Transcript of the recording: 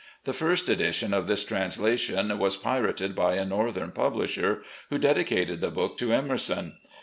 The first edition of this translation was pirated by a Northern publisher, who dedicated the book to Emerson.